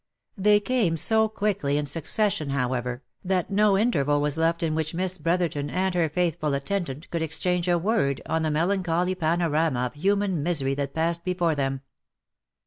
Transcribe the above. They came so quickly in succession, however, that no interval was left in which Miss Brotherton and her faithful attendant could exchange a word on the melancholy panorama of human misery that passed be fore them.